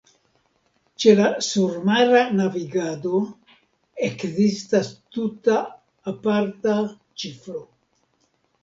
Ĉe la surmara navigado ekzistas tuta aparta ĉifro.